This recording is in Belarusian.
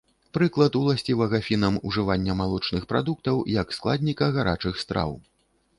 Прыклад уласцівага фінам ўжывання малочных прадуктаў як складніка гарачых страў.